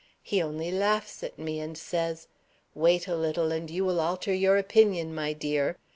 He only laughs at me, and says, 'Wait a little, and you will alter your opinion, my dear.'